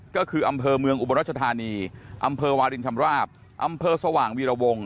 ก็คืออำเภอเมืองอุบลรัชธานีอำเภอวารินชำราบอำเภอสว่างวีรวง